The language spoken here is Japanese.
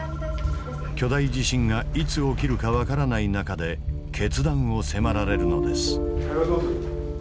巨大地震がいつ起きるか分からない中で決断を迫られるのです。